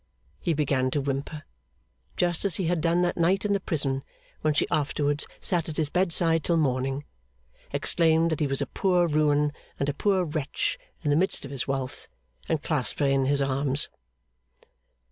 He began to whimper, just as he had done that night in the prison when she afterwards sat at his bedside till morning; exclaimed that he was a poor ruin and a poor wretch in the midst of his wealth; and clasped her in his arms.